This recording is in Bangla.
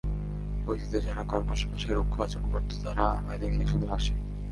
অতিতে যারা কর্কশ ভাষায় রুক্ষ আচরণ করত, তারা আমায় দেখে শুধু হাসে।